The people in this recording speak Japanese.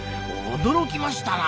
驚きましたな。